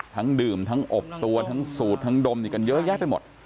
ดื่มทั้งอบตัวทั้งสูตรทั้งดมนี่กันเยอะแยะไปหมด